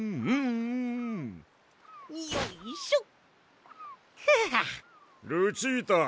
いよいしょっ！